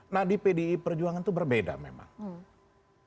nah di pdi perjuangan itu berbeda memang